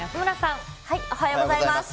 おはようございます。